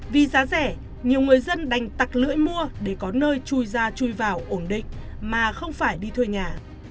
vì giá rẻ nhiều người dân đành tắc lưỡi mua để có nơi chui ra chui vào ổn định mà không phải đi thuê nhà